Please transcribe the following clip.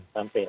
sampai hari ini